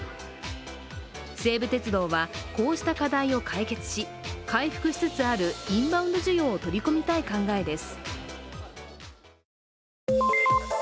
西武鉄道はこうした課題を解決し回復しつつあるインバウンド需要を取り込みたい考えです。